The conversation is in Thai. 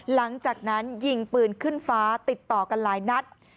หลังจากนั้นยิงปืนขึ้นฟ้าติดต่อกันหลายนัด